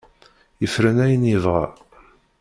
Yefren ayen yebɣa.